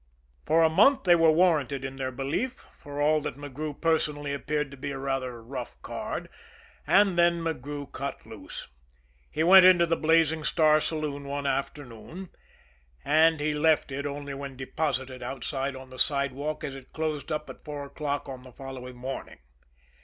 For a month they were warranted in their belief, for all that McGrew personally appeared to be a rather rough card and then McGrew cut loose. He went into the Blazing Star Saloon one afternoon and he left it only when deposited outside on the sidewalk as it closed up at four o'clock on the following morning.